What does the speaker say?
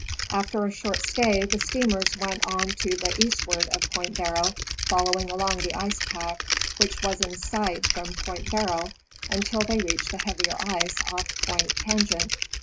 After a short stay the steamers went on to the eastward of Point Barrow, following along the ice pack, which was in sight from Point Barrow, until they reached the heavier ice off Point Tan gent.